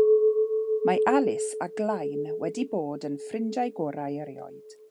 Mae Alys a Glain wedi bod yn ffrindiau gorau erioed.